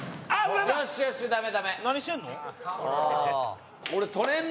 山崎：何してんの？